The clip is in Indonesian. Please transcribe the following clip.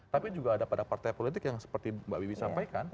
tapi juga ada pada partai politik yang seperti mbak bibi sampaikan